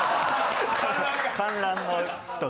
観覧の人。